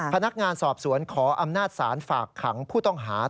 พนักงานสอบสวนขออำนาจศาลฝากขังผู้ต้องหา